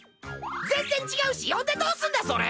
全然違うし呼んでどうすんだそれ！